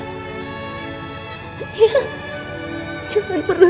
rumah kami adalah tempat kamu buat pulang